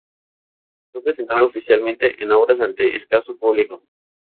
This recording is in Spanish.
Fue presentado oficialmente en Obras ante escaso público.